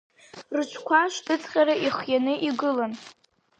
Рыҽқәа шнаҵҟьара ихианы игылан.